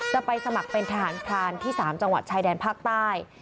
จะไปสมัครเป็นทหารพรานที่๓จังหวัดชายแดนภาคใต้